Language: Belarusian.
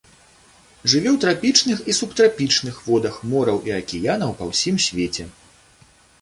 Жыве ў трапічных і субтрапічных водах мораў і акіянаў па ўсім свеце.